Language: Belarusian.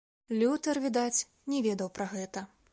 Лютэр, відаць, не ведаў пра гэта.